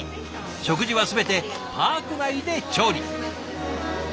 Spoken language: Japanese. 食事は全てパーク内で調理。